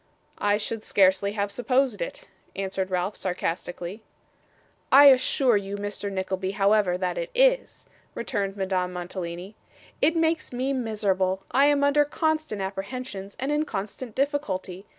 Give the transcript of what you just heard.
'I should scarcely have supposed it,' answered Ralph, sarcastically. 'I assure you, Mr. Nickleby, however, that it is,' returned Madame Mantalini. 'It makes me miserable! I am under constant apprehensions, and in constant difficulty.